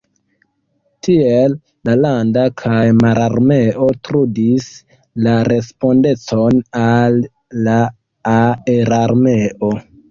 Tiel la landa kaj mararmeo trudis la respondecon al la aerarmeo.